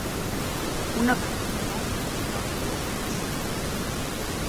Una part del fort es troba al parc municipal.